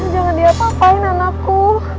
jangan dia apa apain anakku